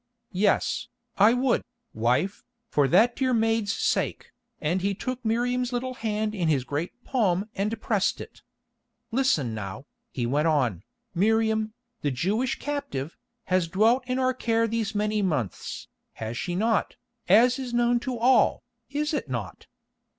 "Yes, I would, wife, for that dear maid's sake," and he took Miriam's little hand in his great palm and pressed it. "Listen now," he went on, "Miriam, the Jewish captive, has dwelt in our care these many months, has she not, as is known to all, is it not?